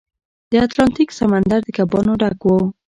د اتلانتیک سمندر د کبانو ډک و.